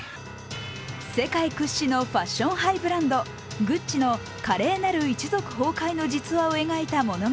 世界屈指のファッションハイブランド、グッチの華麗なる一族崩壊の実話を描いた物語。